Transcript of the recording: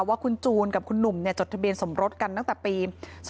ว่าคุณจูนกับคุณหนุ่มจดทะเบียนสมรสกันตั้งแต่ปี๒๕๖